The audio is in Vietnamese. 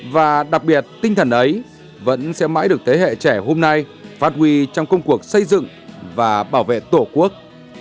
và đặc biệt tinh thần ấy vẫn sẽ mãi được thế hệ trẻ hôm nay phát huy trong công cuộc xây dựng và bảo vệ tổ quốc